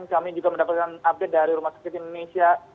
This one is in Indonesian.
kami juga mendapatkan update dari rumah sakit indonesia